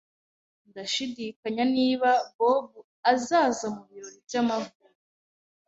Ndashidikanya niba Bob azaza mubirori byamavuko